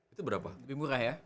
itu berapa lebih murah ya